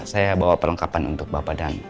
saya bawa perlengkapan untuk bapak dan